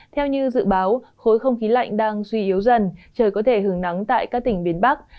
theo như dự báo khối không khí lạnh đang suy yếu dần trời có thể hứng nắng tại các tỉnh miền bắc